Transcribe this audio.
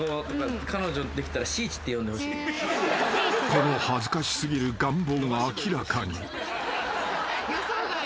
［この恥ずかし過ぎる願望が明らかに］